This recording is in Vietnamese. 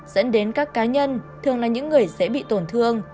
dẫn đến các cá nhân thường là những người dễ bị tổn thương